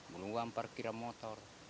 belum uang parkir motor